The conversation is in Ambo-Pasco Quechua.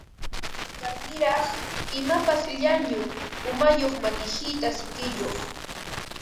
Wankarniraq, imapas llañu umayuq matihina sikiyuq